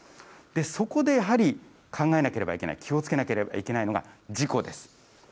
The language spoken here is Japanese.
そこでやはり考えなければいけない、気をつけなければいけないのが事故です。